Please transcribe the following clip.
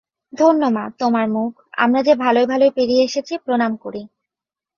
ধন্য মা তোমার মুখ! আমরা যে ভালয় ভালয় পেরিয়ে এসেছি, প্রণাম করি।